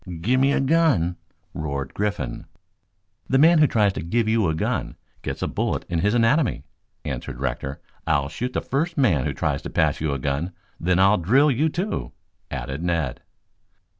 "Gimme a gun!" roared Griffin. "The man who tries to give you a gun gets a bullet in his anatomy," answered Rector. "I'll shoot the first man who tries to pass you a gun; then I'll drill you, too," added Ned.